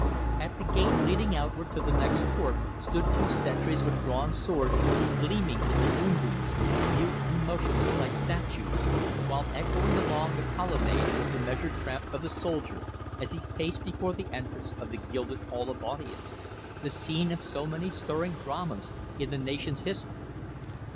At the gate leading outward to the next court stood two sentries with drawn swords gleaming in the moonbeams, mute and motionless like statues, while echoing along the colonnade was the measured tramp of the soldier as he paced before the entrance of the gilded Hall of Audience, the scene of so many stirring dramas in the nation's history.